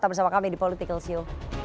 tetap bersama kami di politikalsio